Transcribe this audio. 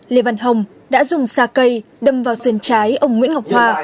lê văn hồng đã dùng xà cây đâm vào sườn trái ông nguyễn ngọc hoa